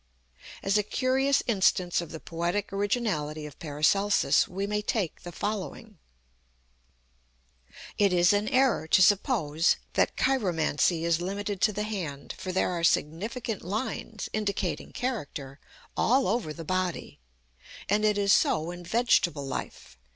As a curious instance of the poetic originality of PARACELSUS we may take the following: "It is an error to suppose that chiromancy is limited to the hand, for there are significant lines (indicating character), all over the body. And it is so in vegetable life.